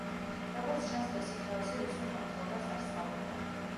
როგორც ჩანს დოსითეოზი რუსულ მმართველობას არ სწყალობდა.